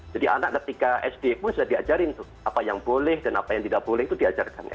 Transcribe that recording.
jadi anak ketika sd pun sudah diajarin apa yang boleh dan apa yang tidak boleh itu diajarkan